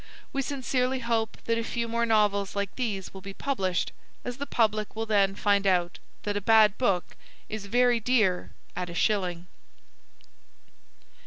We sincerely hope that a few more novels like these will be published, as the public will then find out that a bad book is very dear at a shilling.